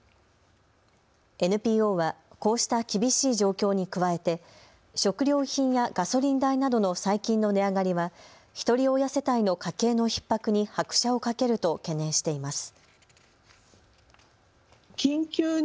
ＮＰＯはこうした厳しい状況に加えて食料品やガソリン代などの最近の値上がりはひとり親世帯の家計のひっ迫に拍車をかけると懸念しています。